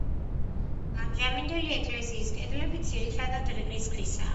ამჟამინდელი ეკლესიის კედლები ძირითადად რიყის ქვისაა.